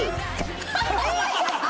ハハハハ！